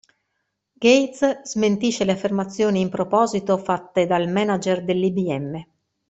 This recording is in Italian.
Gates smentisce le affermazioni in proposito fatte dal manager dell'IBM.